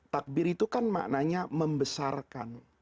takbir itu kan maknanya membesarkan